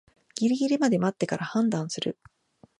ギリギリまで待ってから判断する